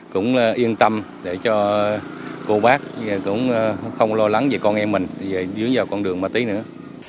cũng yên tâm để cho cô bác cũng không lo lắng về con em mình dưới vào con đường ma tí nữa